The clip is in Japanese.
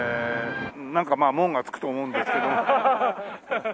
なんかまあ門がつくと思うんですけど。